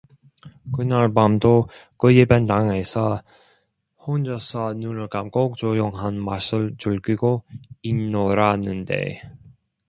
그날 밤도 그 예배당에서 혼자서 눈을 감고 조용한 맛을 즐기고 있노라는데